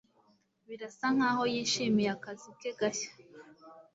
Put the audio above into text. Birasa nkaho yishimiye akazi ke gashya